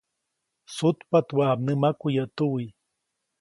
Sutpaʼt waʼa mnämaku yäʼ tuwi.